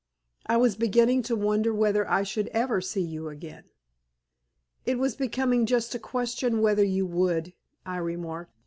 I was beginning to wonder whether I should ever see you again." "It was becoming just a question whether you would," I remarked.